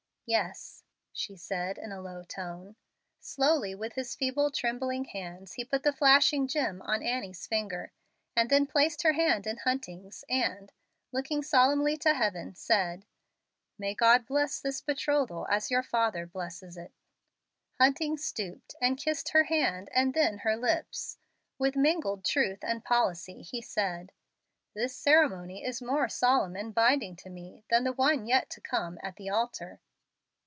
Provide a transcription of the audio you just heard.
"Yes," she said, in a low tone. Slowly, with his feeble, trembling hands he put the flashing gem on Annie's finger, and then placed her hand in Hunting's, and, looking solemnly to heaven, said, "May God bless this betrothal as your father blesses it." Hunting stooped and kissed her hand and then her lips. With mingled truth and policy, he said, "This ceremony is more solemn and binding to me than the one yet to come at the altar."